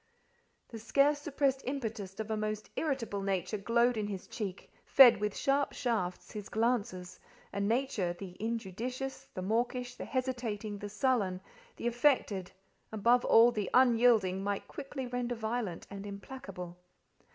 The scarce suppressed impetus of a most irritable nature glowed in his cheek, fed with sharp shafts his glances, a nature—the injudicious, the mawkish, the hesitating, the sullen, the affected, above all, the unyielding, might quickly render violent and implacable.